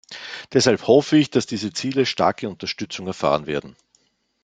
Deshalb hoffe ich, dass diese Ziele starke Unterstützung erfahren werden.